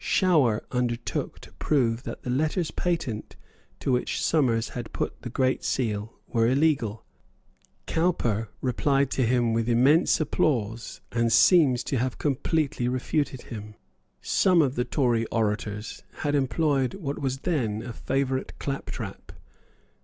Shower undertook to prove that the letters patent to which Somers had put the Great Seal were illegal. Cowper replied to him with immense applause, and seems to have completely refuted him. Some of the Tory orators had employed what was then a favourite claptrap.